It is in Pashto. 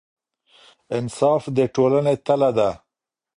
انصاف د ټولنې تله ده.